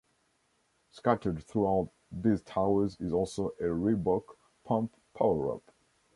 Scattered throughout these towers is also a Reebok Pump power-up.